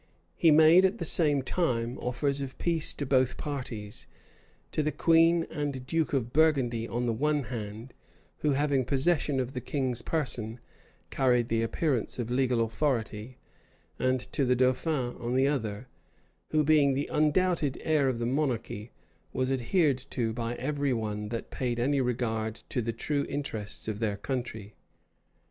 He made, at the same time, offers of peace to both parties; to the queen and duke of Burgundy on the one hand, who, having possession of the king's person, carried the appearance of legal authority;[*] and to the dauphin on the other, who, being the undoubted heir of the monarchy, was adhered to by every one that paid any regard to the true interests of their country.